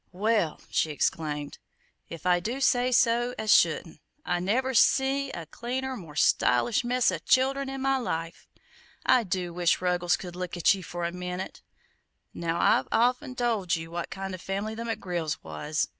"Well," she exclaimed, "if I do say so as shouldn't, I never see a cleaner, more stylish mess o' childern in my life! I do wish Ruggles could look at ye for a minute! Now, I've of 'en told ye what kind of a family the McGrills was.